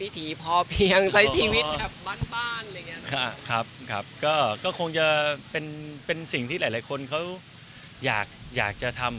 ถ้าเป็นเท่านิตเนี่ยเนอะยกย่องให้น้ำ